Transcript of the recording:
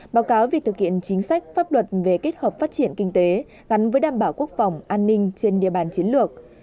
báo cáo việc thực hiện chính sách pháp luật về kết hợp phát triển kinh tế gắn với đảm bảo quốc phòng an ninh trên địa bàn chiến lược